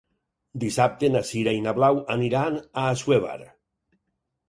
Dissabte na Sira i na Blau aniran a Assuévar.